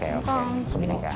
kalau misalkan kita